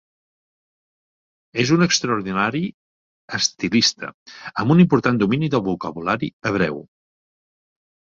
És un extraordinari estilista, amb un important domini del vocabulari hebreu.